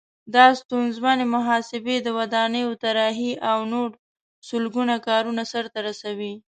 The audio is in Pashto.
دا ستونزمنې محاسبې، د ودانیو طراحي او نور سلګونه کارونه سرته رسوي.